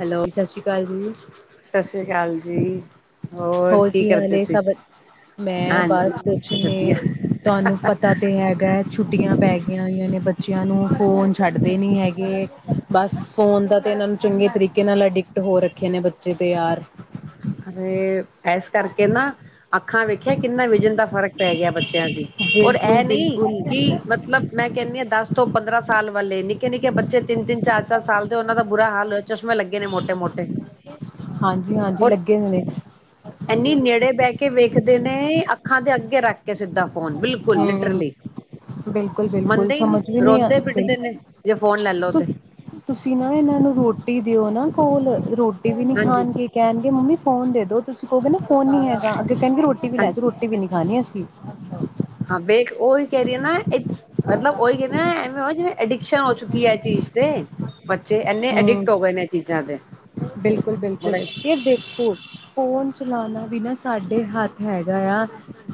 Hello ਸਤਿ ਸ੍ਰੀ ਅਕਾਲ ਜੀ, ਸਤਿ ਸ੍ਰੀ ਅਕਾਲ ਜੀ, ਹੋਰ ਕੀ ਹਾਲ ਸਭ। ਮੈਂ ਹਾਂਜੀ, ਬਸ ਕੁਛ ਨੀ ਵਧੀਆ ਤੁਹਾਨੂੰ ਪਤਾ ਤੇ ਹੈਗਾ ਛੁੱਟੀਆਂ ਪੈ ਗਈਆਂ [unintelligible] ਬੱਚਿਆਂ ਨੂੰ ਫੋਨ ਛੱਡਦੇ ਨੀ ਹੈਗੇ ਬਸ ਫੋਨ ਦਾ ਤੇ ਇਹਨਾਂ ਨੂੰ ਚੰਗੇ ਤਰੀਕੇ ਨਾਲ ਅਡਿਕਟ ਹੋ ਰੱਖੇ ਨੇ ਬੱਚੇ ਤੇ ਯਾਰ ਅਰੇ ਇਸ ਕਰਕੇ ਨਾ ਅੱਖਾਂ ਵੇਖੀਆਂ ਕਿੰਨਾ ਵਿਜ਼ਨ ਦਾ ਫ਼ਰਕ ਪੈ ਗਿਆ ਬੱਚ [unintelligible] ਦੀ ਔਰ ਬਿਲਕੁਲ ਇਹ ਨੀ ਬਿਲਕੁਲ ਕਿ ਮਤਲਬ ਮੈਂ ਕਹਿੰਨੀ ਆਂ ਦੱਸ ਤੋਹ ਪੰਦਰਾਂ ਸਾਲ ਵਾਲੇ ਨੀ ਨਿੱਕੇ-ਨਿੱਕੇ ਬੱਚੇ ਤਿੰਨ-ਤਿੰਨ ਚਾਰ-ਚਾਰ ਸਾਲ ਦੇ ਉਹਨਾਂ ਦਾ ਬੁਰਾ ਹਾਲ ਹੋਇਆ ਚਸ਼ਮੇ ਲੱਗੇ ਨੇ ਮੋਟੇ-ਮੋਟੇ ਹਾਂਜੀ ਹਾਂਜੀ ਔਰ ਲੱਗੇ ਹੋਏ ਨੇ ਐਨੀ ਨੇੜੇ ਬਹਿ ਕੇ ਵੇਖਦੇ ਨੇ ਅੱਖਾਂ ਦੇ ਅੱਗੇ ਕੇ ਰੱਖ ਕੇ ਸਿੱਧਾ ਫੋਨ ਬਿਲਕੁਲ ਹਮ, ਲਿਟਰਲੀ ਬਿਲਕੁਲ-ਬਿਲਕੁਲ ਮੰਨਦੇ ਹੀ ਸਮਝ ਨੀ ਵੀ ਨਹੀ ਰੋਂਦੇ ਆਂਦੇ ਪਿੱਟਦੇ ਨੇ ਜੇ ਫੋਨ ਲੈ ਲਓ ਤੇ ਤੁਸੀਂ ਨਾ ਇਹਨਾਂ ਨੂੰ ਰੋਟੀ ਦਿਓ ਨਾ ਸਕੂਲ ਰੂਟ ਵੀ ਨਹੀਂ ਖਾਣਗੇ ਹਾਂਜੀ-ਹਾਂਜੀ ਕਹਿਣਗੇ ਮੰਮੀ ਫੋਨ ਦੇ ਦੋ ਤੁਸੀਂ ਕਹੋਗੇ ਨਾ ਫੋਨ ਨਹੀਂ ਹੈਗਾ ਅੱਗੇ ਕਹਿਣਗੇ ਰੋਟੀ ਵੀ ਲੈ ਜੋ, ਰੋਟੀ ਵੀ ਨਹੀਂ ਖਾਣੀ ਅਸੀਂ ਅੱਛਾ ਹਾਂ ਵੇਖ ਉਹੀ ਕਹਿ ਰਹੀ ਹਾਂ ਇਟ੍ਸ ਮਤਲਬ ਉਹੀ ਕਹਿੰਦੇ ਐਨਾਂ ਵਿਚ ਆਈਡੀਕਸ਼ਨ ਹੋ ਚੁੱਕੀ ਐ ਚੀਜ਼ ਤੇ ਬੱਚੇ ਇਨੇ ਹੂੰ ਅਡਿਕਟ ਹੋ ਗਏ ਨੇ ਚੀਜ਼ਾਂ ਦੇ ਬਿਲਕੁਲ ਬਿਲਕੁਲ ਬੜਾ ਹੀ ਯਾਰ ਦੇਖੋ [unintelligible] ਫੋਨ ਚਲਾਨਾ ਵੀ ਨਾ ਸਾਡੇ ਹੱਥ ਹੈਗਾ ਆ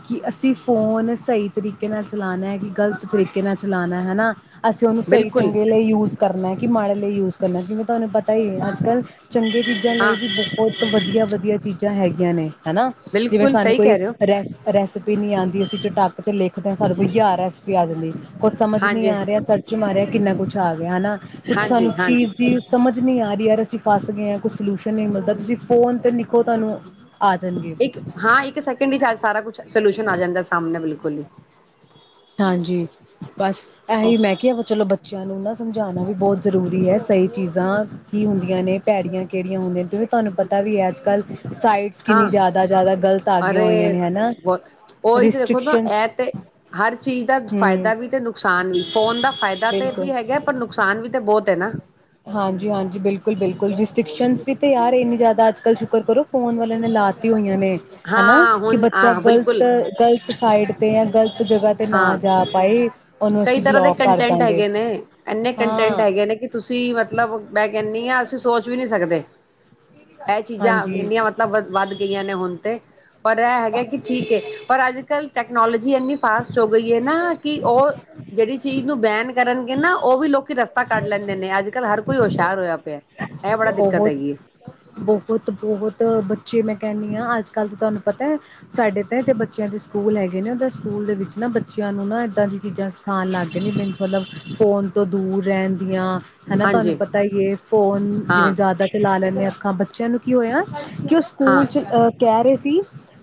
ਕਿ ਅਸੀਂ ਫੋਨ ਸਹੀ ਤਰੀਕੇ ਨਾਲ ਚਲਾਨਾ ਐ ਕਿ ਗ਼ਲਤ ਤਰੀਕੇ ਨਾਲ ਚਲਾਨਾਂ ਹੈਨਾਂ। ਅਸੀਂ ਉਹਨੂੰ ਸਹੀ ਬਿਲਕੁਲ ਚੰਗੇ ਲਈ ਯੂਜ ਕਰਨਾ ਕਿ ਮਾੜੇ ਲਈ ਯੂਜ ਜਿਵੇਂ ਤੁਹਾਨੂੰ ਪਤ ਤਾ ਹੀ ਅੱਜ ਕੱਲ ਚੰਗੇ ਚੀਜ਼ਾਂ ਲਈ ਹਾਂ ਵੀ ਬਹੁਤ ਵਧੀਆ ਵਧੀਆ ਚੀਜ਼ਾਂ ਹੈਗੀਆਂ। ਯਾਨੀ। ਹੈਾ ਜਿਵੇਂ ਬਿਲਕੁਲ ਸਾਨੂੰ ਸਹੀ ਕੋਈ ਕਹਿ ਰਹੇ ਹੋ ਰੈਸ ਰੈਸਪੀ ਨਹੀਂ ਆਉਂਦੀ। ਅਸੀਂ ਚਟਾਕ ਚ ਲਿਖਦੇ ਹਾਂ ਸਾਨੂੰ ਕੋਈ ਹਾਰ ਰੈਸਪੀ ਆ ਜਾਂਦੀ ਕੋਛ ਸਮਝ ਨਹੀਂੀ ਹਾਂਜੀ ਆ ਰਿਹਾ ਸਰਚ ਮ ਰਿਹਾ ਕਿੰਨਾ ਕੁਛ ਆ ਗਿਆ ਹੈਾ ਕੁਛ ਸਾਨੂੰ ਹਾਂਜੀ ਹਾਂਜੀ ਚੀਜ਼ ਸਮਝ ਨਹੀਂ ਆ ਰਹੀ ਯਾਰ ਅਸੀਂ ਫਸ ਗਏ ਹਾਂ ਕੁਈ ਸਲਿਊਸ਼ਨ ਨਹੀਂ ਮਿਲਦਾ ਤੁਸੀਂ ਫੋਨ 'ਤੇ ਨਿੱਖੋ ਤੁਹਾਨੂੰ ਆ ਜਾਣਗੇ ਇੱਕ ਹਾਂ ਇੱਕ ਸੈਕਿੰਡ ਵਿੱਚਜ ਸਾਰਾ ਕੁਛ ਸੋਲਿਊਸ਼ਨ ਆ ਜਾਂਦਾ ਸਾਹਮਣੇ ਬਿਲਕੁਲ ਹੀ। ਹਾਂਜੀ। ਬਸ ਇ ਹੀ ਮੈਂ ਕਿਹਾ ਵਾ ਚਲੋ ਬੱਚਿਆਂ ਨੂੰ ਨਾ ਸਮਝਾਉਣਾ ਵੀ ਬਹੁਤ ਜ਼ਰੂਰੀ ਹੈ। ਸਹੀ ਚੀਜ਼ਾਂ ਕੀ ਹੁੰਦੀਆਂ ਨੇ ਭੈੜੀਆਂ। ਕਿਹੜੀਆਂ ਹੁੰਦੀਆਂ ਨੇ ਜਿਵੇਂ ਤੁਹਾਨੂੰ ਪਤਾ ਵੀ ਹੈ ਅੱਜ ਕੱਲ੍ਹ- ਸਾਈਟਸ ਕਿੰਨੀ ਹਾਂ ਜ਼ਿਆਦਾ ਜ਼ਿਆਦਾ ਗ਼ਲਤ ਆ ਗਈਆਂ ਅਰੇ ਹੋਈਆਂ ਨੇ ਹਨਾ ਬਹੁਤ ਉਹੀ ਤੇ ਦੇਖੋ ਤਾਂ ਰਿਸਟ੍ਰਿਕਸ਼ਨ ਇਹ ਤੇ ਹਰ ਚੀਜ਼ ਦਾ ਫਾਇਦਾ ਵੀ ਤੇ, ਨੁਕਸਾਨ ਵੀ ਫੋਨ। ਇਏਦਾਂ ਤੇ ਬਿਲਕੁਲ ਵੀ ਹੈਗਾ ਪਰ ਨੁਕਸਾਨ ਵੀ ਤਾਂ ਬਹੁਤ ਹ ਨਾ। ਹਾਂਜੀ, ਹਾਂਜੀ। ਬਿਲਕੁਲ, ਬਿਲਕੁਲ। ਰਿਸਟ੍ਰਿਕਸ਼ਨ ਵੀ ਤੇ ਯਾਰ ਇੰਨੀ ਜ਼ਿਆਦਾ ਅੱਜ ਕੱਲ ਸ਼ੁਕਰ ਕਰੋ ਫੋਨ ਵਾਲਿਆਂ ਨੇ ਲਾ ਤਤੀ ਹੋਈਆਂ ਨੇ। ਹਨਾ ਹਾਂ ਕਿ ਹੁਣ ਹਾਂ ਬੱਚਾ ਗਲਤ, ਬਿਲਕੁਲ ਗ਼ਲਤ ਸਾਈਡ ਤੇ ਜਾਂ ਗਲਤ ਇੱਕ ਜਗ੍ਹਾ ਤੇ ਨਾ ਹਾਂ ਜਾ ਪਾਏ। ਕਈ ਅਸੀਂ ਤਰ੍ਹਾਂ ਦੇ ਬਲੋਕ ਕਰ ਕੰਟੈਂਟ ਦਾਂਗੇ ਹੈਗੇ ਨੇ। ਇੰਨੇ ਕੰਟੈਂਟ ਹਾਂ ਹੈਗੇ ਨੇ ਕਿ ਤੁਸੀਂ ਤੁਸੀਂ ਮਤਲਬ ਮੈਂ ਕਹਿੰਦੀ ਹਾਂ ਅਸੀਂ ਸੋਚ ਵੀ ਨਹੀਂੀ ਸਕਦੇ। [inaudible] ਇਹ ਚੀਜ਼ਾਂ ਹਾਂਜੀ ਇੰਨੀਆਂ ਮਤਲਬ ਵ ਵੱਧ ਗਈਆਂ ਨੇ ਹੁਣ ਤੇ ਪਰ ਇਹ ਹੈਗਾ ਕਿ ਠੀਕ ਹੈ। ਪਰ ਅੱਜ ਕੱਲ ਟੈਕਨੋਲੋਜੀ ਇੰਨੀ ਫਾਸਟ ਹੋ। [unintelligible] ਜਿਹੜੀ ਚੀਜ਼ ਨੂੰ ਬੈਨ ਕਰਨਗੇ। ਨਾ ਉਹ ਵੀ ਲੋਕੀ ਰਸਤਾ ਕੱਢ ਲੈਂਦੇ ਨੇ। ਅੱਜ ਕੱਲ੍ਹ ਹਰ ਕੋਈ ਹੁਸ਼ਿਆਰ ਹੋਇਆ ਪਿਆ। ਇਹ ਬੜਾ ਦਿੱਕਤ ਬਹੁਤ, ਹੈਗੀ ਹੈ ਬਹੁਤ, ਬਹੁਤ। ਤਾਂ ਬੱਚੇ ਮੈਂ ਕਹਿੰਦੀ ਹਾਂ ਅੱਜ ਕੱਲ੍ਹ ਤਾਂ ਤੁਹਾਨੂੰ ਪਤਾ ਸਾਡੇ ਤਾਂ ਤਾਂ ਬੱਚਿਆਂ ਦੇ ਸਕੂਲ ਹੈਗੇ ਨੇ ਉਹਦੇ ਸਕੂਲ ਦੇ ਵਿੱਚ ਨਾ ਬੱਚਿਆਂ ਨੂੰ ਨਾ ਇੱਦਾਂ ਦੀ ਚੀਜ਼ਾਂ ਸਿਖਾਉਣ ਲੱਗ ਗਏ ਨੇ ਮੈਨੂੰ ਮਤਲਬ ਫੋਨ ਤੋਂ ਦੂਰ ਰਹਿਣ ਜ ਹੈ ਨਾ ਤੁਹਾਨੂੰ ਹਾਂਜੀ ਪਤਾ ਹੀ ਹੈ ਫੋਨ। ਜਿਵੇਂ ਹਾਂ ਜ਼ਿਆਦਾ ਚਲਾ ਲੈਂਦੇ ਹਾਂ। ਬੱਚਿਆਂ ਨੂੰ ਕੀ ਹੋਇਆ। ਕਿ ਉਹ ਸਕੂਲ ਹਾਂ ਚ ਅਹ ਕਹਿ ਰਹੇ। ਸੀ,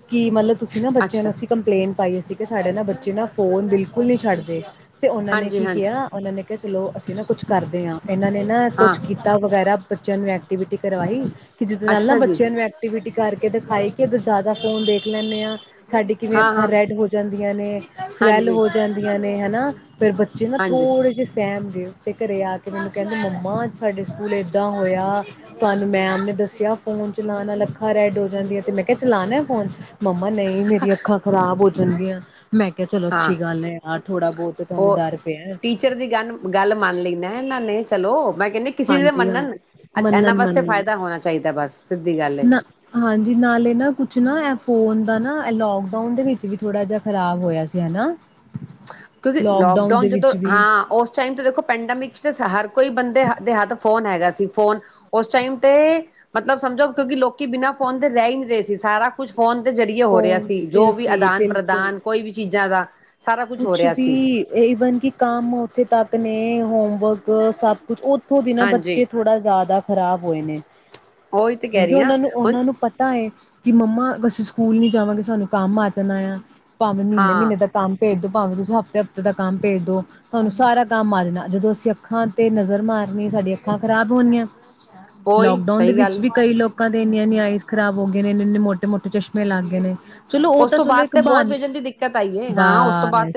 ਕਿ ਮਤਲਬ ਤੁਸੀਂ ਨਾ ਬੱਚਿਆਂ ਨੂੰ ਅੱਛਾ ਅਸੀਂ ਕੰਪਲੇਂਟ ਪਾਈ ਅਸੀ ਕਿ ਸਾਡੇ ਨਾ ਬੱਚੇ ਨਾ ਫੋਨ ਬਿਲਕੁਲ ਨਹੀਂ ਛੱਡਦੇ, ਤੇ ਉਹਨਾਂ ਨੇ ਹਾਂਜੀ ਕੀ ਹਾਂਜੀ ਕਿਹਾ ਉਹਨਾਂ ਨੇ ਕਿਹਾ ਚਲੋ ਅਸੀਂ ਨਾ ਕੁਛ ਕਰਦੇ ਹਾਂ ਇਹਨਾਂ ਨੇ ਨਾ ਹਾਂ ਕੁਛ ਕੀਤਾ ਵਗੈਰਾ ਬਚਯਾ ਨੂ ਐ - ਐਕਟੀਵਿਟੀ ਕਰਵਾਈ, ਕਿ ਜਿਹਦੇ ਨਾਲ ਨਾ ਅੱਛਾ ਜੀ ਬੱਚਿਆਂ ਨੂੰ ਐਕਟੀਵਿਟੀ ਕਰਕੇ ਦਿਖਾਈ ਕਿ ਅ ਜ਼ਿਆਦਾ ਫੋਨ ਦੇਖ ਲੈਂਦੇ ਹਾਂ ਸਾਡੀ ਕਿਵੇਂ ਹਾਂ ਅੱਖਾਂ ਹਾਂ ਰੈਡ ਹੋ ਜਾਂਦੀਆਂ ਨੇ, ਸਵੈਲ ਹਾਂਜੀ ਹੋ ਜਾਂਦੀਆਂ ਨੇ ਹੇਨਾ ਫਿਰ ਬੱਚੇ ਨਾ ਹਾਂਜੀ ਥੋੜੇ ਜਿਹੇ ਸਹੇਮਦੇ ਹੋ ਤੇ ਘਰੇ ਆ ਕੇ ਮੈਨੂੰ ਕਹਿੰਦੇ ਮੰਮਾ ਸਾਡੇ ਸਕੂਲ ਐਦਾਂ ਹੋਇਆ। ਸਾਨੂੰ ਮੈਮ ਨੇ ਦੱਸਿਆ ਫੋਨ ਚਲਾਣਾ ਲੱਖਾਂ ਰੈਡੋਜ਼ਾਂ ਦੀਆਂ ਤੇ ਮੈਂ ਕਿਹਾ ਚਲਾਣਾ ਫੋਨ? ਮੰਮਾ ਨਹੀਂ ਮੇਰੀ ਅੱਖਾਂ ਖਰਾਬ ਹੋਆਂ ਜਾਂਦੀ ਆ ਮੈਂ ਕਿਹਾ ਚਲੋ ਹਾਂ ਅੱਛੀ ਗੱਲ ਹੈ ਅੱਜ ਥੋੜਾ ਬਹੁਤ ਤੁਹਾਨੂੰ ਉਹ ਡਰ ਪਿਆ ਹੈ। ਟੀਚਰ ਦੀ ਗੱਲ ਗੱਲ ਮੰਨ ਲੈਂਦਾ ਇਹਨਾਂ ਨੇ ਚਲੋ ਮੈਂ ਕਹਿੰਦੀ ਕਿਸੇ ਦੇ ਹਾਂਜੀ, ਮੰਨਣ ਹਾਂਜੀ। ਇਹਨਾਂ ਵਾਸਤੇ ਮੰਨਣ-ਮੰਨਣ। ਫਾਇਦਾ ਹੋਣਾ ਚਾਹੀਦਾ ਬਸ ਸਿੱਧੀ ਗੱਲ ਏ ਨਾ, ਹਾਂਜੀ, ਨਾਲੇ ਨਾ ਕੁਛ ਨਾ ਏ ਫੋਨ ਦਾ ਨਾ ਲੋਕਡਾਊਨ ਦੇ ਵਿੱਚ ਵੀ ਥੋੜਾ ਜਹਾ ਖ਼ਰਾਬ ਹੋਇਆ ਸੀ ਹੈਨਾ? ਕਿਉਂਕਿ ਲੋਕਡਾਊਨ ਜਦੋਂ। ਵੀ ਹਾਂ, ਉਸ ਟਾਈਮ ਤੇ ਦੇਖੋ ਪੈਂਡਮਿਕ ਤੇ ਹਰ ਕੋਈ ਬੰਦੇ ਦੇ ਹੱਥ ਫੋਨ ਹੈਗਾ ਫੋਨ ਉਸ ਟਾਈਮ ਤੇ ਮਤਲਬ ਸਮਝੋ ਕਿਉਂਕਿ ਲੋਕੀ ਬਿਨਾਂ ਫੋਨ ਤੇ ਰਹਿ ਨਹੀਂ ਰਹੇ ਸੀ ਸਾਰਾ ਕੁਛ ਫੋਨ ਦੇ ਜ਼ਰੀਏ ਹੋ ਰਿਹਾ ਫੋਨ ਸੀ ਤੇ ਜੋ ਵੀ ਸੀ ਬਿਲਕੁਲ ਆਦਾਨ-ਪ੍ਰਦਾਨ ਕੋਈ ਵੀ ਚੀਜ਼ਾਂ ਦਾ ਸਾਰਾ ਹੋ ਕੁਛ ਰਿਹਾ ਵੀ ਸੀ ਇਹੀ ਵਨ ਕਿ ਕਾਮ ਉਥ ਤਾ ਇਤਨੇ ਹੋਮਵਰਕ ਸਭ ਕੁਛ ਉਹ ਤੂ ਵੀ ਨਾ ਹਾਂਜੀ ਬੱਚੇ ਥੋੜਾ ਜ਼ਿਆਦਾ ਖ਼ਰਾਬ ਹੋਏ ਨੇ। ਉਹੀ ਤੇ ਕਹਿ ਕਿਉਂਕਿ ਰਹੀ ਹਾਂ ਉਹਨਾਂ ਨੂੰ, ਹੁਣ ਉਹਨਾਂ ਨੂੰ, ਪਤਾ ਹੈ। ਕਿ ਮੰਮਾ ਅਸੀਂ ਸਕੂਲ ਨਹੀਂ ਜਾਵਾਂਗੇ ਸਾਨੂੰ ਕੰਮ ਆ ਜਾਣਾ ਆ ਭਾਵੇਂ ਹਾਂ ਮਹੀਨੇ-ਮਹੀਨੇ ਦਾ ਕੰਮ ਭੇਜ ਦੋ ਭਾਵੇਂ ਤੁਸੀਂ ਹਫ਼ਤੇ-ਹਫ਼ਤੇ ਦਾ ਕੰਮ ਭੇਜ ਦੋ ਤੁਹਾਨੂੰ ਸਾਰਾ ਕੰਮ ਆ ਜਾਣਾ ਜਦੋਂ ਅਸੀਂ ਅੱਖਾਂ ਤੇ ਨਜ਼ਰ ਮਾਰਨੀ ਸਾਡੀਆਂ ਅੱਖਾਂ ਖ਼ਰਾਬ ਹੋਣੀਆਂ। ਉਹੀ ਲੋਕਡਾਊਨ ਦੇ ਸਹੀ ਵਿੱਚ ਗੱਲ ਵੀ ਕਈ ਲੋਕ ਲੋਕਾਂ ਦੇ ਇੰਨ-ਇੰਨੀ ਆਈਸ ਖਰਾਬ ਹੋ ਗਏ ਨੇ ਇਨ-ਇਨੇ ਮੋਟੇ-ਮੋਟੇ ਚਸ਼ਮੇ ਲੱਗ ਗਏ ਨੇ। ਚਲੋ ਉਹ ਉਸ ਤਾਂ ਤੋਂ ਚਲੋ ਬਾਅਦ ਇੱਕ ਤੇ ਬਹੁਤ ਬਹਾਨ ਵਿਜਣ ਦੀ ਦਿੱਕਤ ਆਈ ਹੈ। ਬਸ,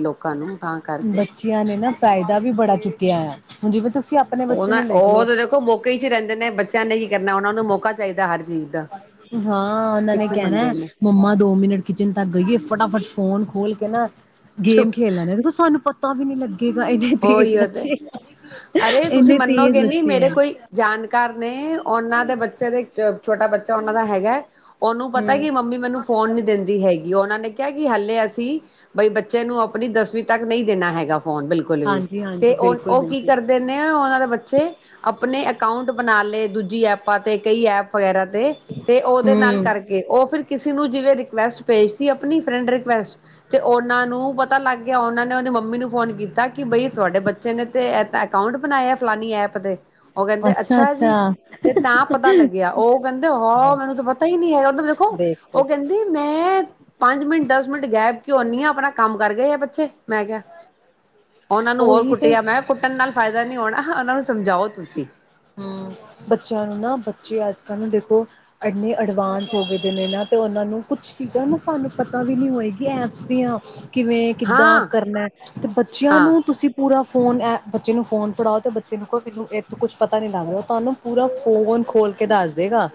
ਲੋਕਾਂ ਨੂੰ ਤਾਂ ਕਰਕੇ ਬੱਚਿਆਂ ਨੇ ਨਾ ਫਾਇਦਾ ਵੀ ਬੜਾ ਚੁੱਕਿਆ ਹੈ। [unintelligible] ਤੁਸੀਂ ਆਪਣੇ ਉਹ ਬੱਚੇ ਨਾ ਨੂੰ ਲਿਖ ਉਹ ਲਓ ਤਾਂ ਦੇਖੋ ਮੌਕੇ ਚ ਰਹਿੰਦੇ ਨੇ ਬੱਚਿਆਂ ਨੇ ਕੀ ਕਰਨਾ ਉਹਨਾਂ ਨੂੰ ਮੌਕਾ ਚਾਹੀਦਾ ਹਰ ਚੀਜ਼ ਦਾ ਹਾਂ ਉਹਨਾਂ ਨੇ ਕਿੱਥੇ ਮੰਨਦੇ ਕਹਿਣਾ ਨੇ ਮੰਮਾ ਦੋ ਮਿੰਟ ਕਿਚਨ ਤੱਕ ਗਈਏ ਫਟਾ- ਫਟ ਫੋਨ ਖੋਲ ਕੇ ਨਾ ਗੇਮ ਚੁੱਪ ਖੇਡ ਲੈਦੇਂ ਦੇ ਸਾਨੂੰ ਪਤ ਤਾਂ ਵੀ ਨਹੀ ਲੱਗੀ ਉਹੀ ਉਹ ਤੇ ਅਰੇ ਤੁਸੀਂ ਇੰਨੇ ਤੇਜ਼ ਮੰਨੋਗੇ ਨੀ ਬੱਚੇ ਮੇਰੇ ਆ ਕੋਈ ਜਾਣਕਾਰ ਨੇ ਉਹਨਾਂ ਦੇ ਬੱਚੇ ਦੇ ਛੋਟਾ ਬੱਚਾ ਉਹਨਾਂ ਦਾ ਹੈਗਾ ਉਹਨੂੰ ਪਤਾ ਹਮ ਕੀ ਮੰਮੀ ਮੈਨੂੰ ਫੋਨ ਨੀ ਦਿੰਦੀ ਹੈਗੀ, ਉਹਨਾਂ ਨੇ ਕਿਹਾ ਕਿ ਹਾਲੇ ਅਸੀਂ ਬਈ ਬੱਚੇ ਨੂੰ ਆਪਣੀ ਦਸਵੀਂ ਤੱਕ ਨਹੀਂ ਦੇਣਾ ਹੈਗਾ ਫੋਨ ਬ ਬਿਲਕੁਲ ਵੀ ਹਾਂਜੀ ਤੇ ਹਾਂਜੀ ਉਹ, ਬਿਲਕੁਲ ਉਹ ਕੀ ਬਿਲਕੁਲ ਕਰਦੇ ਨੇ ਉਹਨਾਂ ਦਾ ਬੱਚਾ ਚੇ ਆਪਣੇ ਅ ਅਕਾਊਂਂਟ ਬਣਾ ਲਏ ਦੂਜੀ ਐਪਾਂ ਤੇ ਕਈ ਐਪ ਵਗੈਰਾ ਤੇ ਤੇ ਉਹਦੇ ਨਾਲ ਹਮ ਕਰਕੇ ਉਹ ਫਿਰ ਕਿਸੇ ਨੂੰ ਜਿਵੇਂ ਰਿਕੁਐਸਟ ਭੇਜ ਤੀ ਆਪਣੀ ਫਰੈਂਡ ਰਿਕੁਐਸਟ ਤੇ ਉਹਨਾਂ ਨੂੰ ਪਤਾ ਲੱਗ ਗਿਆ, ਉਹਨਾਂ ਨੇ ਉਹਦੀ ਮੰਮੀ ਨੂੰ ਫੋਨ ਕੀਤਾ। ਕਿ ਬਈ ਤੁਹਾਡੇ ਬੱਚੇ ਨੇ ਤੇ ਇਹ ਅਕਾਊਂਟ ਬਣਾਇਆ ਫਲਾਨੀ ਐਪ ਦੇ। ਉਹ ਕਹਿੰਦੇ ਅੱਛਾ ਜੀ ਤੇ ਤਾਂ ਪਤਾ ਲੱਗਿਆ ਉਹ ਕਹਿੰਦੇ ਹਾਂ ਮੈਨੂੰ ਤਾਂ ਪਤਾ ਹੀ ਨਹੀਂ ਹੈਗਾ, ਮਤਲਬ ਦੇਖੋ ਉਹ ਕਹਿੰਦੀ ਮੈਂ ਪੰਜ ਮਿੰਟ ਦਸ ਮਿੰਟ ਗਾਇਬ ਕੀ ਹੁੰਦੀ ਹਾਂ ਆਪਣਾ ਕੰਮ ਕਰ ਗਏ ਆ ਬੱਚੇ ਮੈਂ ਕਿਹਾ। ਉਹਨਾਂ ਨੂੰ ਹੋਰ ਉਹੀ ਤੇ ਕੁੱਟਿਆ, ਮੈਂ ਕਿਹਾ ਕੁੱਟਣ ਨਾਲ ਫਾਇਦਾ ਨੀ ਹੋਣਾ। ਉਹਨਾਂ ਨੂੰ ਸਮਝਾਓ ਤੁਸੀਂ। ਹੂੰ, ਬੱਚਿਆਂ ਨੂੰ ਨਾ ਬੱਚੇ ਅੱਜ ਕੱਲ੍ਹ ਦੇਖੋ ਇੰਨੇ ਅਡਵਾਂਸ ਹੋ ਗਏ ਦੇ ਨਾ ਤੇ ਉਹਨਾਂ ਨੂੰ ਕੁਛ ਚੀਜ਼ਾਂ ਨਾ ਸਾਨੂੰ ਪਤਾ ਵੀ ਨਹੀਂ ਹੋਏਗੀ ਐਪਸ ਦੀਆਂ ਕਿਵੇਂ, ਕਿੱਦਾਂ ਹਾਂ ਕਰਨਾ ਤੇ ਬੱਚਿਆਂ ਹਾਂ ਨੂੰ ਤੁਸੀਂ ਪੂਰਾ ਫੋਨ ਐ ਬੱਚੇ ਨੂੰ ਫੋਨ ਫੜਾਓ ਅਤੇ ਬੱਚੇ ਨੂੰ ਕੋਈ ਮੈਨੂੰ ਇਹ ਕੁਛ ਪਤਾ ਨੀ ਲੱਗਦਾ ਉਹ ਤੁਹਾਨੂੰ ਪੂਰਾ ਫੋਨ ਖੋਲ ਕੇ ਦੱਸ ਦੇਗਾ।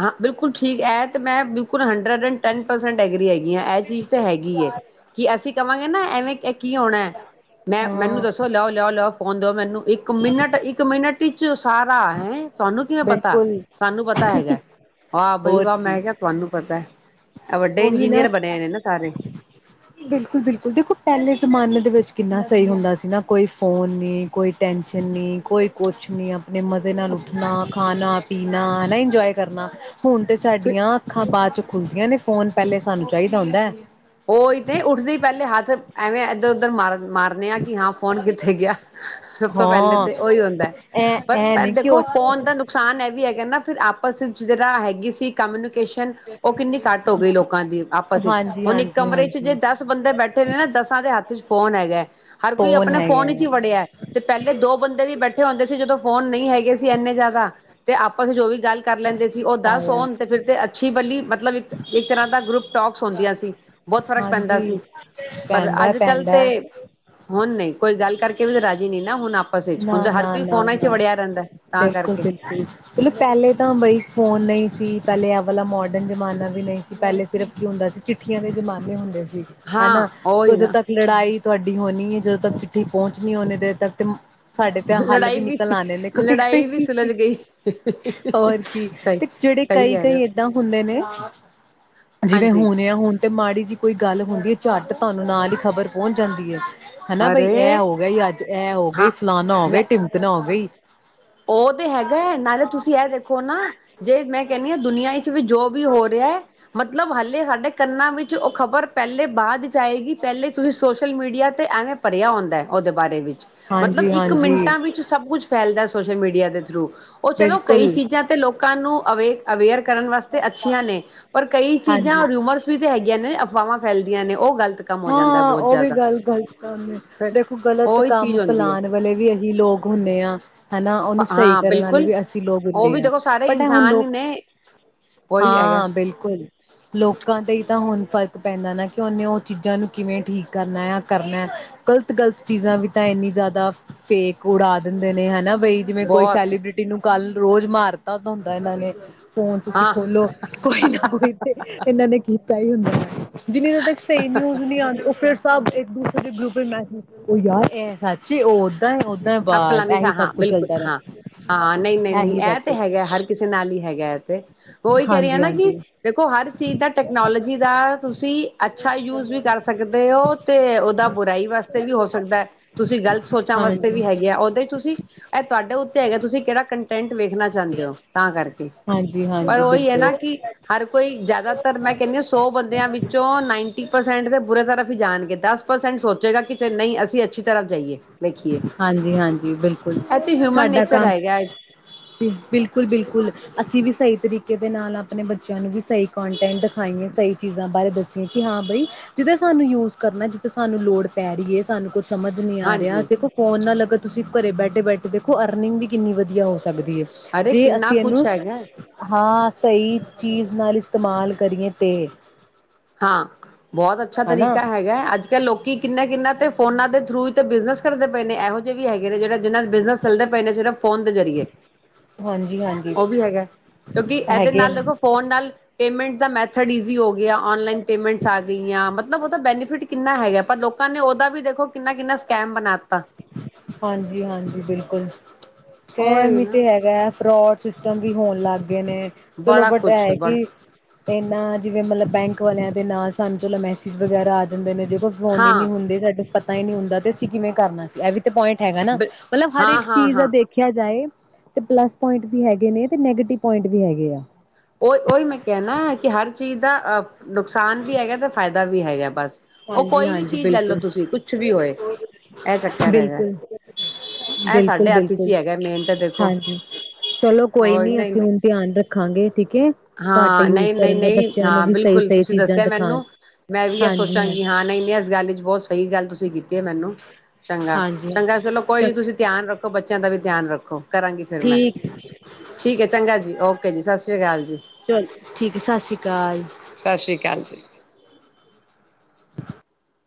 ਹਾਂ ਬਿਲਕੁਲ ਠੀਕ ਹੈ, ਤੇ ਮੈਂ ਬਿਲਕੁਲ ਹ ਦ ਐਂਡ ਟੈਨ ਪਰਸੈਂਟ ਐਗਰੀ ਹੈਗੀ ਆ ਇਹ ਚੀਜ਼ ਤਾਂ ਹੈਗੀ ਹੈ ਕਿ ਅਸੀਂ ਕਵਾਂਗੇ ਨਾ ਐਵੇਂ ਕੀ ਹੋਣਾ ਹੈ ਮੈਂ ਹਾਂ ਮੈਨੂੰ ਦੱਸੋ ਲਿਆਓ, ਲਿਆਓ, ਲਿਆਓ ਫੋਨ ਦਿਓ ਮੈਨੂੰ ਇੱਕ ਮਿੰਨਟ, ਇੱਕ ਮਿੰਨਟ ਟੀਚਰ ਸਾਰਾ ਹੈ ਤੁਹਾਨੂੰ ਕਿਵੇਂ ਪਤਾ ਬਿਲਕੁਲ ਸਾਨੂੰ ਪਤਾ ਹੈਗਾ। ਵਾਹ ਬਈ ਹੋਰ ਵਾਹ ਕੀ ਮੈਂ ਕਿਹਾ ਤੁਹਾਨੂੰ ਪਤਾ ਹੈ। ਇਹ ਵੱਡੇ ਇੰਜੀਨੀਅਰ ਬਣੇ ਨੇ ਨਾ ਸਾਰੇ। ਬਿਲਕੁਲ- ਬਿਲਕੁਲ, ਬਿਲਕੁਲ ਦੇਖੋ ਪਹਿਲੇ ਜ਼ਮਾਨੇ ਦੇ ਵਿੱਚ ਕਿੰਨਾ ਸਹੀ ਹੁੰਦਾ ਸੀ ਨਾ ਕੋਈ ਫੋਨ ਨੀ ਕੋਈ ਟੈਂਸ਼ਨ ਨੀ ਕੋਈ ਕੁਛ ਨਹੀਂ ਆਪ ਆਪਣੇ ਮਜ਼ੇ ਨਾਲ ਉੱਠਣਾ, ਖਾਣਾ ਪੀਣਾ ਹਨਾ ਇੰਨਜੋਆਏ ਕਰਨਾ। ਹੁਣ ਤੇ ਸਾਡੀਆਂ ਅੱਖਾਂ ਪਾ ਚੁੱਕ ਖੁੱਲਦੀਆਂ ਨੇ ਫੋਨ ਪਹਿਲੇ ਸਾਨੂੰ ਚਾਹੀਦਾ ਹੁੰਦਾ। ਉਹੀ ਤੇ ਉੱਠਦੇ ਪਹਿਲੇ ਹੱਥ ਐਵੇਂ ਇੱਧਰ, ਉੱਧਰ ਮਾਰ ਮਾਰਨੇ ਆ ਕ ਫੋਨ ਕਿੱਥੇ ਗਿਆ। ਸਭ ਤੋਂ ਪਹਿਲੇ ਹਾਂ ਤੇ ਉਹੀ ਹੁੰਦਾ ਹੈ। ਐ ਪਰ ਐ ਪਰ ਨੀ ਕਿ ਉਹ ਦੇਖੋ ਫੋਨ ਦਾ ਨੁਕਸਾਨ ਇਹ ਵੀ ਹੈ ਕਹਿੰਦਾ ਫਿਰ ਆਪਸ ਵਿੱਚ ਜ ਤਰ੍ਹਾਂ ਹੈਗੀ ਸੀ ਕਮਿਊਨੀਕੇਸ਼ਨ ਉਹ ਕਿੰਨੀ ਘੱਟ ਹੋ ਗਈ ਲੋਕਾਂ ਦੀ ਆਪਸ ਵਿੱਚ ਹਾਂਜੀ ਹੁਣ ਇੱਕ ਹਾਂਜੀ ਕਮਰੇ ਚ ਜੇ ਹਾਂਜੀ ਦਸ ਬੰਦੇ ਬੈਠੇ ਨੇ ਨਾ ਦਸਾਂ ਦੇ ਹੱਥ ਫ਼ੋਨ ਹੈਗਾ। ਹਰ ਕੋਈ ਆਪਣੇ ਫੋਨ ਵਿੱਚ ਹੀ ਫੜਿਆ। ਤੇ ਪਹਿਲੇ ਦੋ ਬੰਦੇ ਵੀ ਬੈਠੇ ਹੁੰਦੇ ਸੀ ਜਦੋਂ ਫੋਨ ਨਹੀਂ ਹੈਗੇ ਸੀ। ਇੰਨੇ ਜ਼ਿਆਦਾ ਤੇ ਆਪਾਂ ਜੋ ਵੀ ਗੱਲ ਕਰ ਲੈਂਦੇ ਸੀ ਉਹ ਤਾਂ ਦਸ ਸੌਣ ਤੇ ਫਿਰ ਤੇ ਮਛੀ ਬਲੀ ਮਤਲਬ ਇੱਕ ਤਰ੍ਹਾਂ ਦਾ ਗਰੁੱਪ ਟੋਕਸ ਹੁੰਦੀਆਂ ਸੀ। ਬਹੁਤ ਫ਼ਰਕ ਪੈਂਦਾ ਹਾਂਜੀ ਸੀ। ਪਰ ਪੈਂਦਾ ਅੱਜ ਕੱਲ ਤੇ ਪੈਂਦਾ ਹੁਣ ਨਹੀਂ ਕੋਈ ਗੱਲ ਕਰਕੇ ਵੀ ਰਾਜੀ ਨਹੀਂ। ਨਾ ਹੁਣ ਆਪਸ ਵਿੱਚ ਨਾ, ਹੁਣ ਤਾਂ ਹਰ ਨਾ, ਕੋਈ ਨਾ, ਫੋਨਾਂ ਚ ਨਾ। ਵੜਿਆ ਰਹਿੰਦਾ ਤਾਂ ਬਿਲਕੁਲ, ਕਰਕੇ ਬਿਲਕੁਲ। ਮਤਲਬ ਪਹਿਲੇ ਤਾਂ ਬਈ ਫੋਨ ਨਹੀਂ ਸੀ। ਪਹਿਲੇ ਇਹ ਵਾਲਾ ਮੋਡਰਨ ਜ਼ਮਾਨਾ ਵੀ ਨਹੀਂ ਸੀ। ਪਹਿਲੇ ਸਿਰਫ਼ ਕੀ ਹੁੰਦਾ ਸੀ ਚਿੱਠੀਆਂ ਦੇ ਜ਼ਮਾਨੇ ਹੁੰਦੇ ਸੀ। ਹਨਾ ਹਾਂ ਉਹੀ ਉਦੋਂ ਨਾ ਤੱਕ ਲੜਾਈ ਤੁਹਾਡੀ ਹੋਣੀ ਹੈ। ਜਦੋਂ ਤੱਕ ਚਿੱਠੀ ਪਹੁੰਚਣੀ ਹੋਣੀ ਦੇ ਤੱਕ ਤਮ ਸਾਡੇ ਤੇ ਹੱਲ ਵੀ ਨਿਕਲ ਆਦੇ ਨੇ। ਕੋਈ, ਲੜਾਈ ਵੀ ਕੋਈ ਸੁਲਝ ਗਈ ਹੋਰ ਕੀ ਸਹੀ ਤੇ ਜਿਹੜੇ ਸਹੀ ਕਈ, ਕਹਿ ਰਹੇ ਕਈ ਹੋ ਏਦਾਂ ਹੁੰਦੇ ਨੇ ਜਿਵੇਂ ਹਾਂਜੀ ਹੁਣ ਆ ਹੁਣ ਤੇ ਮਾੜੀ ਜੀ ਕੋਈ ਗੱਲ ਹੁੰਦੀ ਹੈ। ਝੱਟ ਤੁਹਾਨੂੰ ਨਾਲ ਹੀ ਖ਼ਬਰ ਪਹੁੰਚ ਜਾਂਦੀ ਹੈ। ਹਨਾ ਬਈ ਇਹ ਅਰੇ ਹੋ ਗਿਆ ਅੱਜ ਇਹ ਹੋ ਗਿਆ ਹਾਂ ਗਈ ਫਲਾਨਾ ਹੋ ਮੈਂ ਗਈ ਟਿਮਪਨ ਹੋ ਗਈ। ਉਹ ਤੇ ਹੈਗਾ ਹੈ ਨਾਲੇ ਤੁਸੀਂ ਇਹ ਦੇਖੋ ਨਾ ਜੇ ਮੈਂ ਕਹਿੰਦੀ ਹਾਂ ਦੁਨੀਆਂ ਵਿੱਚ ਵੀ ਜੋ ਵੀ ਹੋ ਰਿਹਾ ਮਤਲਬ ਹਾਲੇ ਸਾਡੇ ਕੰਨਾਂ ਵਿੱਚ ਉਹ ਖ਼ਬਰ ਪਹਿਲੇ ਬਾਅਦ ਚ ਆਏਗੀ। ਪਹਿਲੇ ਤੁਸੀਂ ਸੋਸ਼ਲ ਮੀਡੀਆ ਅਤੇ ਐਵੇਂ ਪਰ੍ਹਿਆ ਹੁੰਦਾ ਉਹਦੇ ਬਾਰੇ ਵਿੱਚ ਮਤਲਬ ਹਾਂਜੀ ਇੱਕ ਹਾਂਜੀ ਮਿੰਟਾਂ ਵਿੱਚ ਸਭ ਕੁਛ ਫੈਲਦਾ। ਸੋਸ਼ਲ ਮੀਡੀਆ ਦੇ ਥਰੂ ਉਹ ਚਲੋ ਬਿਲਕੁਲ ਕਈ ਚੀਜ਼ਾਂ ਤੇ ਲੋਕਾਂ ਨੂੰ ਅਵੇਕ ਅਵੇਅਰ ਕਰਨ ਵਾਸਤੇ ਅੱਛੀਆਂ ਨੇ, ਪਰ ਕਈ ਹਾਂਜੀ ਚੀਜ਼ਾਂ ਰੂਮਰਸ ਵੀ ਤੇ ਹੈਗੀਆਂ ਨੇ। ਅਫਵਾਹਾਂ। ਫੈਲਦੀਆਂ ਨੇ ਉਹ ਗ਼ਲਤ ਕੰਮ ਹੋ ਜਾਂਦਾ ਹਾਂ ਬਹੁਤ ਉਹ ਵੀ ਜ਼ਿਆਦਾ ਗੱਲ ਗਲਤ। ਫਿਰ ਦੇਖੋ ਗ਼ਲਤ ਉਹੀ ਕੰਮ ਚੀਜ਼ ਹੁੰਦੀ ਹੈ ਫੈਲਾਨ ਵਾਲੇ ਵੀ ਏਹੀ ਲੋਕ ਹੁੰਦੇ ਆ ਹਨਾ। ਉਹਨੂੰ ਸਹੀ ਹਾਂ ਕਰਨ ਵਾਲੇ ਬਿਲਕੁਲ ਵੀ ਅਸੀਂ ਲੋਕ ਉਹ ਹੁੰਦੇ ਵੀ ਹਾਂ, ਦੇਖੋ ਸਾਰੇ ਬਟ ਐ ਹੁਣ ਇਨਸਾਨ ਲੋਕ ਹੀ ਨੇ ਉਹੀ ਹੈਗਾ ਹਾਂ ਬਿਲਕੁਲ ਲੋਕਾਂ ਤੇ ਤਾਂ ਹੁਣ ਫ਼ਰਕ ਪੈਂਦਾ ਨਾ ਕਿ ਉਹਨੇ ਉਹ ਚੀਜ਼ਾਂ ਨੂੰ ਕਿਵੇਂ ਠੀਕ ਕਰਨਾ ਆ ਕਰਨਾ ਗ਼ਲਤ ਗ਼ਲਤ ਚੀਜ਼ਾਂ ਵੀ ਤਾਂ ਇੰਨੀ ਜ਼ਿਆਦਾ ਫੇਕ ਉਡਾ ਦਿੰਦੇ ਨੇ ਹਨਾ। ਬਈ ਜਿਵੇਂ ਕੋਈ ਬਹੁਤ ਸੈਲੀਬ੍ਰਿਟੀ ਨੂੰ ਕੱਲ ਰੋਜ਼ ਮਾਰ ਤਦ ਹੁੰਦਾ ਇਹਨਾਂ ਨੇ ਫੋਨ ਤੁਸੀਂ ਹਾਂ ਖੋਲੋ ਕੋਈ ਨਾ ਕੋਈ ਤੇ ਇਹਨਾਂ ਨੇ ਕੀਤਾ ਹੀ ਹੁੰਦਾ। ਹੈ ਜਿੰਨੀ ਸਹੀ ਨਿਊਜ ਨੀ ਆਦੀਆ ਉਹ ਫਿਰ ਸਭ ਇੱਕ ਦੂਸਰੇ ਦੇ ਗਰੁੱਪ ਚ' ਮੈਸੇਜ ਉਹ ਯਾਰ ਇਹ ਸੱਚੀ ਉਹ ਸੱਚ ਫਲਾਨੀ ਥਾ ਬਿਲਕੁਲ ਹਾਂ ਰਿਹਾ ਹਾਂ ਨਹੀਂ- ਨਹੀਂ- ਨਹੀਂ ਇਹੀ ਸਭ ਇਹ ਤੇ ਕੁਛ ਹੈਗਾ ਹਰ ਕਿਸੇ ਨਾਲ ਹੀ ਹੈਗਾ ਤੇ ਉਹੀ ਕਹਿ ਰਹੀ ਹ ਹਾਂਜੀ ਨਾ ਕਿ ਹਾਂਜੀ ਦੇਖੋ ਹਰ ਚੀਜ਼ ਦਾ ਟੈਕਨੋਲੋਜੀ ਦਾ ਤੁਸੀਂ ਅੱਛਾ ਯੂਜ ਵੀ ਕਰ ਸਕਦੇ ਹੋ, ਤੇ ਉਹਦਾ ਬੁਰਾਈ ਵਾਸਤੇ ਵੀ ਹੋ ਸਕਦਾ ਹੈ, ਤੁਸੀਂ ਗ਼ਲਤ ਸੋਚਾਂ ਵਾਸਤੇ ਵੀ ਹਾਂਜੀ ਹੈਗੀ ਆ ਉਹਦੇ ਤੁਸੀਂ ਇਹ ਤੁਹਾਡੇ ਉੱਤੇ ਹੈਗਾ ਤੁਸੀਂ ਕਿਹੜਾ ਕੰਟੈਂਟ ਵੇਖਣਾ ਚਾਹੁੰਦੇ, ਹੋ ਤਾਂ ਕਰਕੇ ਪਰ ਹਾਂਜੀ-ਹਾਂਜੀ, ਉਹੀ ਹੈ ਨਾ ਕਿ ਬਿਲਕੁਲ। ਹਰ ਕੋਈ ਜਿਆਦਾਤਰ ਮੈਂ ਕਹਿੰਦੀ ਹ ਸੌ ਬੰਦਿਆਂ ਵਿੱਚੋਂ ਨਾਈਨਟੀ ਪਰਸੈਂਟ ਤੇ ਬੁਰੇ ਤਰਫ ਹੀ ਜਾਣਗੇ, ਦਸ ਪਰਸੈਂਟ ਸੋਚੇਗਾ ਕਿ ਨਹੀਂ ਅਸੀਂ ਅੱਛੀ ਤਰ੍ਹਾਂ ਜਾਈਏ ਵੇਖੀਏ। ਹਾਂਜੀ ਹਾਂਜੀ ਬਿਲਕੁਲ ਇਹ ਤੇ ਹਿਊਮਨ ਸਾਡਾ ਨੇਚਰ ਕੰਮ ਹੈਗਾ ਬਿਲਕੁਲ ਬਿਲਕੁਲ ਅਸੀਂ ਵੀ ਸਹੀ ਤਰੀਕੇ ਦੇ ਨਾਲ ਆਪਣੇ ਬੱਚਿਆਂ ਨੂੰ ਵੀ ਸਹੀ ਕੋਂਟੈਂਟ ਦਿਖਾਈਏ ਸਹੀ ਚੀਜ਼ਾਂ ਬਾਰੇ ਦੱਸਈਏ ਕਿ ਹਾਂ ਬਈ ਜਿਥੇ ਸਾਨੂੰ ਯੂਜ ਕਰਨਾ, ਜਿੱਥੇ ਸਾਨੂੰ ਲੋੜ ਪੈ ਰਹੀ ਹੈ, ਏ ਸਾਨੂੰ ਕੁਛ ਸਮਝ ਨੀ ਆ ਰਿਹਾ ਹਾਂਜੀ ਦੇਖੋ ਫੋਨ ਨਾਲ ਅਗਰ ਤੁਸੀਂ ਘਰੇ ਬੈਠੇ ਬੈਠੇ ਦੇਖੋ ਅਰਨਿੰਗ ਵੀ ਕਿੰਨੀ ਵਧੀਆ ਹੋ ਸਕਦੀ ਹੈ। ਅਰੇ ਜੇ ਕਿੰਨਾ ਅਸੀਂ ਕੁਛ ਇਹਨੂੰ ਹੈਗਾ ਹਾਂ ਸਹੀ ਚੀਜ਼ ਨਾਲ ਇਸਤੇਮਾਲ ਕਰੀਏ ਤੇ ਹਾਂ ਬਹੁਤ ਅੱਛਾ ਹਨਾ ਤਰੀਕਾ ਹੈਗਾ ਅੱਜ ਕੱਲ੍ਹ ਲੋਕ ਕਿੰਨਾ ਕਿੰਨਾ ਤੇ ਫੋਨਾ ਦੇ ਥਰੁ ਹੀ ਤੇ ਬਿਜ਼ਨਸ ਕਰਦੇ ਪਏ ਨੇ। ਇਹੋ ਜਿਹੇ ਵੀ ਹੈਗੇ ਨੇ ਜਿਹੜੇ ਜਿਨਾ ਦੇ ਬਿਜਨਸ ਚੱਲਦੇ ਪਏ ਨੇ ਸਿਰਫ ਫੋਨ ਦੇ ਜਰੀਏ। ਹਾਂਜੀ-ਹਾਂਜੀ ਉਹ ਵੀ ਹੈਗਾ ਕਿਉਂਕਿ ਇਹਦੇ ਹੈਗੇ ਨਾਲ ਨੇ ਦੇਖੋ ਫੋਨ ਨਾਲ ਪੇਮੈਂਟ ਦਾ ਮੈਥਡ ਈਜ਼ੀ ਹੋ ਗਿਆ। ਔਨਲਾਈਨ ਪੇਮੈਂਟਸ ਆ ਗਈਆਂ ਮਤਲਬ ਬੈਨੀਫਿਟ ਕਿੰਨਾ ਹੈਗਾ ਪਰ ਲੋਕਾਂ ਨੇ ਉਹਦਾ ਵੀ ਦੇਖੋ ਕਿੰਨਾ ਕਿੰਨਾ ਸਕੈਮ ਬਣਾਤਾ ਹਾਂਜੀ ਹਾਂਜੀ ਬਿਲਕੁਲ। ਕਹਿਣ ਉਹੀ ਹੀ ਨਾ ਤੇ ਹੈਗਾ ਫਰੋਡ ਸਿਸਟਮ ਵੀ ਹੋਣ ਲੱਗ ਨੇ ਚਲੋ ਬੜਾ ਬਟ ਕੁਛ ਇਹ ਬੜਾ ਕਿ ਨਾ ਜਿਵੇਂ ਮਤਲਬ ਬੈਂਕ ਵਾਲਿਆਂ ਦੇ ਨਾਲ ਸਾਨੂੰ ਚਲੋ ਮੈਸੇਜ ਵਗੈਰਾ ਆ ਜਾਂਦੇ ਨੇ। ਦੇ ਕੋੋ ਫੋਨ ਹੀ ਨੀ ਹਾਂ ਹੁੰਦੇ ਤੁਹਾਡੇ [unintelligible] ਪਤਾ ਹੀ ਨੀ ਹੁੰਦਾ ਤੇ ਅਸੀ ਕਿਵੇ ਕਰਨਾ ਸੀ ਇਹ ਵੀ ਤੇ ਪੁਆਇੰਟ ਹੈਗਾ ਨਾ ਮਤਲਬ ਹਰ ਇੱਕ ਹਾਂ ਹਾਂ ਚੀਜ਼ ਦਾ ਹਾਂ ਦੇਖਿਆ ਜਾਏ ਤੇ ਪਲੱਸ ਪੁਆਇੰਟ ਵੀ ਹੈਗੇ ਨੇ ਤੇ ਨੈਗੇਟਿਵ ਪੁਆਇੰਟ ਵੀ ਹੈਗੇ ਆ। ਉਹ ਉਹੀ ਮੈਂ ਕਹਿਣਾ ਕਿ ਹਰ ਚੀਜ਼ ਦਾ ਆ ਨੁਕਸਾਨ ਵੀ ਹੈਗਾ ਤੇ ਫਾਇਦਾ ਵੀ ਹੈਗਾ ਬਸ। ਉਹ ਹਾਂਜੀ ਕੋਈ ਵੀ ਹਾਂਜੀ ਚੀਜ਼ ਲੈ ਲਓ ਬਿਲਕੁਲ ਤੁਸੀਂ ਕੁਛ ਵੀ ਹੋਏ ਇਹ ਚੱਕਰ ਹੈਗਾ ਬਿਲਕੁਲ ਇਹ ਬਿਲਕੁਲ ਸਾਡੇ ਹੱਥ ਚ ਬਿਲਕੁਲ ਹੀ ਹੈਗਾ ਮੇਨ ਤਾਂ ਦੇਖੋ ਹਾਂਜੀ ਚਲੋ ਕੋਈ ਹੋਰ ਨੀ ਨਹੀਂ ਅਸੀਂ ਨਹੀਂ ਹੁਣ ਧਿਆਨ ਰੱਖ ਰੱਖਾਂਗੇ ਠੀਕ ਹੈ ਘੱਟ ਹਾਂ ਯੂਜ ਨਹੀਂ ਨਹੀਂ ਕਰਨ ਦਾ ਨਹੀਂ ਬੱਚਿਆਂ ਨੂੰ ਹਾਂ ਵੀ ਸਹੀ ਬਿਲਕੁਲ ਸਹੀ ਤੁਸੀਂ ਚੀਜ਼ਾਂ ਦੱਸਿਆ ਦਿਖਾਉਣ ਮੈਨੂੰ ਮੈਂ ਵੀ ਇਹ ਹਾਂਜੀ ਹਾਂ। ਸੋਚਾਂਗੀ ਹਾਂ ਨਹੀਂ ਨਹੀਂ ਇਸ ਗੱਲ ਬਹੁਤ ਸਹੀ ਗੱਲ ਤੁਸੀਂ ਕੀਤੀ ਹੈ ਮੈਨੂੰ ਚੰਗਾ ਹਾਂਜੀ ਚੰਗਾ ਚਲੋ ਕੋਈ ਨੀ ਤੁਸੀਂ ਧਿਆਨ ਰੱਖੋ ਬੱਚਿਆਂ ਦਾ ਵੀ ਧਿਆਨ ਰੱਖੋ ਕਰਾਂਗੀ ਫਿਰ ਮੈਂ ਠੀਕ ਠੀਕ ਹੈ ਚੰਗਾ ਜੀ ਓਕੇ ਜੀ ਸਤਿ ਸ੍ਰੀ ਅਕਾਲ ਜੀ। ਚਲ ਠੀਕ ਹੈ ਸਤਿ ਸ੍ਰੀ ਅਕਾਲ ਸਤਿ ਸ੍ਰੀ ਅਕਾਲ ਜੀ [inaudible]